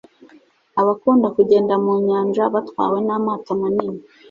Abakunda kugenda mu nyanja batwawe n’amato manini